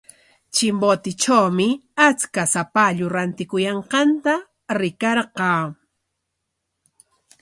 Chimbotetrawmi achka shapallu rantikuyanqanta rikarqaa.